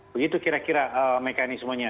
begitu kira kira mekanismenya